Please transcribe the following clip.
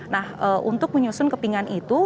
nah untuk menyusun kepingan itu